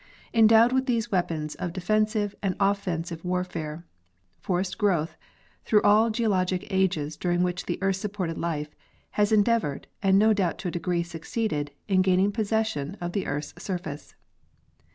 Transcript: Endowed with these weapons of defensive and offensive war fare, forest growth, through all geologic ages during which the earth supported life, has endeavored and no doubt to a degree succeeded in gaining possession of the earth's surface.